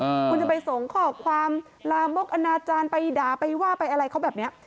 คุณจะไปส่งข้อความลามกอนาจารย์ไปด่าไปว่าไปอะไรเขาแบบเนี้ย